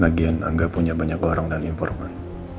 lagian angga punya banyak orang dan informan